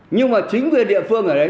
nhưng mà chính quyền địa phương ở đấy